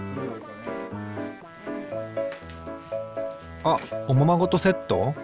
あっおままごとセット？